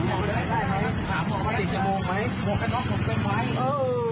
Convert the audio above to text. โอ้โห